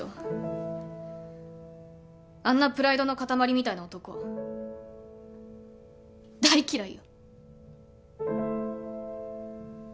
あんなプライドの塊みたいな男大嫌いよ。